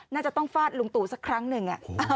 น่าจะต้องฟาดลุงตู่สักครั้งหนึ่ง